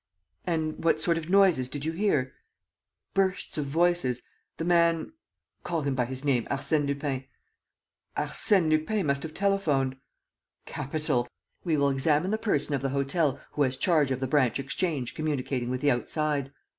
"And what sort of noises did you hear?" "Bursts of voices. The man ..." "Call him by his name, Arsène Lupin." "Arsène Lupin must have telephoned." "Capital! We will examine the person of the hotel who has charge of the branch exchange communicating with the outside.